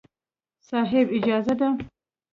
صاحب! اجازه ده.